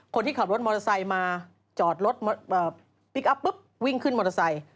คนที่ขับรถมอเตอร์ไซค์มาจอดรถพลิกอัพปุ๊บวิ่งขึ้นมอเตอร์ไซค์